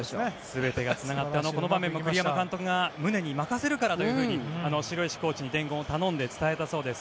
全てがつながったこの場面も栗山監督がムネに全て任せるからと城石コーチに伝言を頼んで伝えたそうです。